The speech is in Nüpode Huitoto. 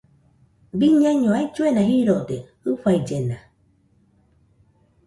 Biñaino ailluena jirode jɨfaillena